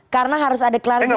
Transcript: karena harus ada klarifikasi